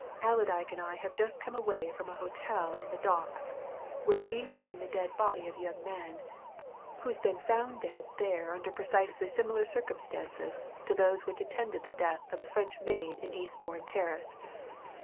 Allerdyke and I have just come away from an hotel in the Docks where we've seen the dead body of a young man who's been found dead there under precisely similar circumstances to those which attended the death of the French maid in Eastbourne Terrace.